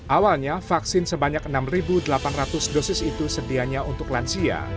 awalnya vaksin sebanyak enam delapan ratus dosis itu sedianya untuk lansia